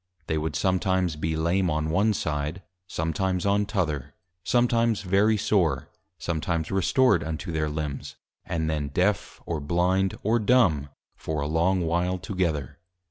They would sometimes be Lame on one side; sometimes on t'other. Sometimes very sore; sometimes restored unto their Limbs, and then Deaf, or Blind, or Dumb, for a long while together.